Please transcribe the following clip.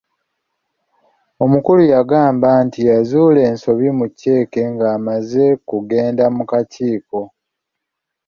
Omukulu yagamba nti yazuula ensobi mu cceeke ng'amaze kugenda mu kakiiko.